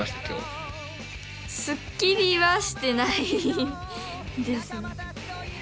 すっきりはしてないですね。